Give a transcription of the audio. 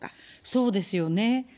そうですよね。